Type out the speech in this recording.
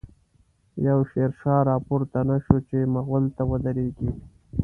يو” شير شاه “راپورته نه شو، چی ” مغل” ته ودريږی